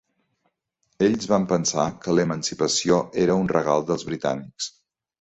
Ells van pensar que l'emancipació era un regal dels britànics.